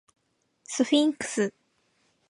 スフィンクス